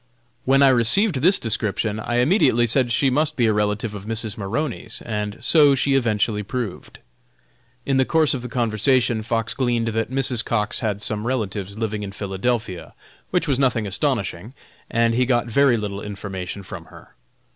When I received this description, I immediately said she must be a relative of Mrs. Maroney's, and so she eventually proved. In the course of the conversation Fox gleaned that Mrs. Cox had some relatives living in Philadelphia, which was nothing astonishing, and he got very little information from her.